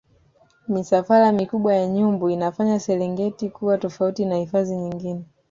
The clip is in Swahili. misafara mikubwa ya nyumbu inaifanya serengeti kuwa tofauti na hifadhi nyingine